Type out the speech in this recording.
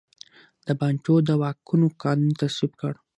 د بانټو د واکونو قانون تصویب کړ.